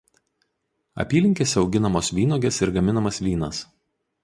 Apylinkėse auginamos vynuogės ir gaminamas vynas.